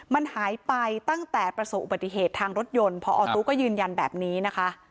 มันหายไปตั้งแต่ประสบอุบัติเหตุทางรถยนต์พอตู้ก็ยืนยันแบบนี้นะคะ